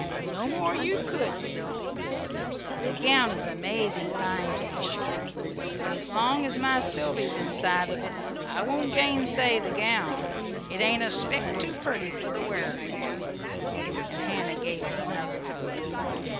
"No more you could, Sylvy. The gown is amazing fine, to be sure; but as long as my Sylvy's inside of it I won't gainsay the gown. It ain't a speck too pretty for the wearer, dear." And Hannah gave her another hug.